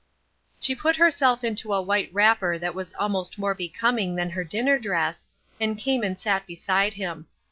She put herself into a white wrapper that was almost more becoming than her dinner dress, and came and sat beside him.